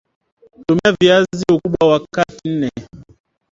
Tumia Viazi Ukubwa wa kati nne